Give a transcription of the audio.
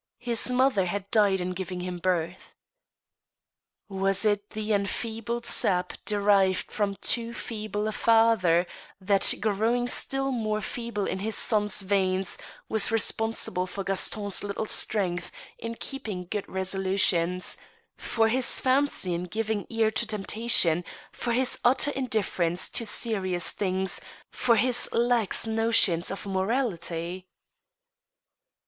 His mother had died in giving him birth. Was it the enfeebled Sap derived from too feeble a father, that, growing still more feeble in his son's veins, was responsible for Gas ton's little strength in keeping good resolutions, for his facility in giving ear to temptations, for his utter indifference to serious things, for his lax notions of morality ? PORTRAIT OF A LADY.